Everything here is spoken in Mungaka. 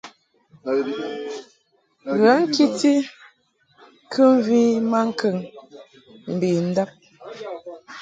Ghə ŋkiti kɨmvi maŋkəŋ mbendab.